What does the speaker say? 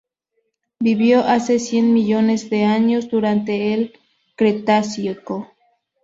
Vivió hace cien millones de años durante el Cretácico.